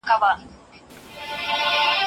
مرګ د یو ستړي انسان د خوب په څیر دی.